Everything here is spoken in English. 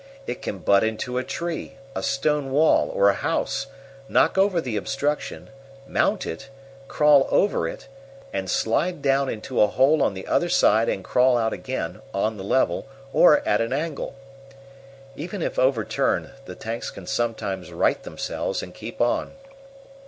It can butt into a tree, a stone wall, or a house, knock over the obstruction, mount it, crawl over it, and slide down into a hole on the other side and crawl out again, on the level, or at an angle. Even if overturned, the tanks can sometimes right themselves and keep on.